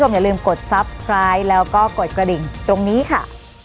หมดเวลาของรายการสวัสดีค่ะ